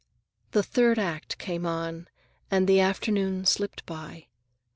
The third act came on, and the afternoon slipped by.